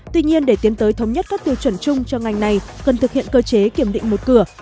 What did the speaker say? tuy nhiên để tiến tới thống nhất các tiêu chuẩn chung cho ngành này cần thực hiện cơ chế kiểm định một cửa